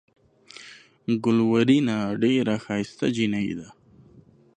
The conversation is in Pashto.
ګلورينه ډېره ښائسته جينۍ ده۔